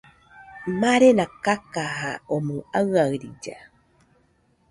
Marena kakaja omoɨ aiaɨrilla.